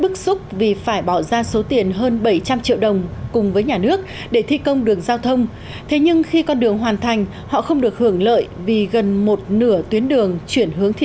các bạn hãy đăng ký kênh để ủng hộ kênh của chúng mình nhé